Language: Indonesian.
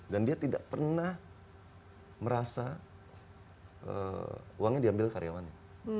dan dia tidak pernah merasa uangnya diambil karyawannya